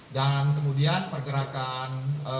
dan kemudian pergerakan